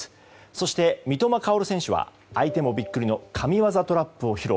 そして、三笘薫選手は相手もビックリの神業トラップを披露。